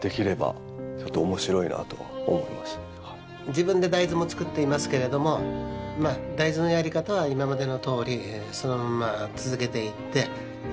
自分で大豆も作っていますけれども大豆のやり方は今までのとおりそのまま続けていって。